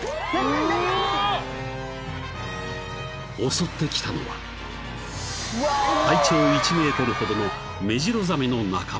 ［襲ってきたのは体長１ｍほどのメジロザメの仲間］